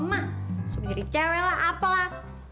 masuk jadi cewe lah apalah